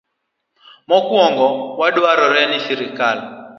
Mokwongo, dwarore ni sirkal